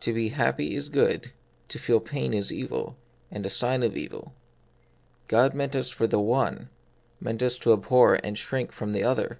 To be happy is good : to feel pain is evil, and the sign of evil. God meant us for the one, meant us to abhor, and shrink from the other.